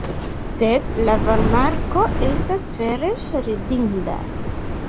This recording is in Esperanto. Sed la varmarko estas vere ridinda!